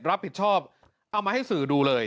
รับผิดชอบเอามาให้สื่อดูเลย